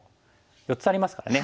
４つありますからね。